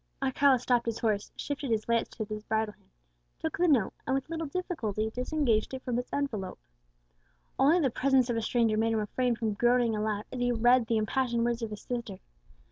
Alcala stopped his horse, shifted his lance to his bridle hand, took the note, and with a little difficulty disengaged it from its envelope. Only the presence of a stranger made him refrain from groaning aloud as he read the impassioned words of his sister.